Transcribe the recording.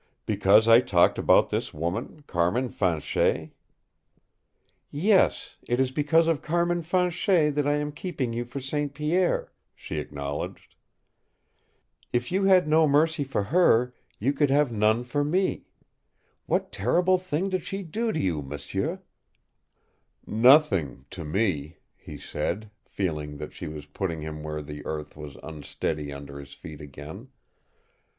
"Because I talked about this woman, Carmin Fanchet?" "Yes, it is because of Carmin Fanchet that I am keeping you for St. Pierre," she acknowledged. "If you had no mercy for her, you could have none for me. What terrible thing did she do to you, M'sieu?" "Nothing to me," he said, feeling that she was putting him where the earth was unsteady under his feet again.